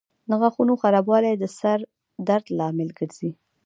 د غاښونو خرابوالی د سر درد لامل ګرځي.